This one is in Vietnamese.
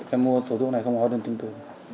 em mua số thuốc này không có đơn tình tử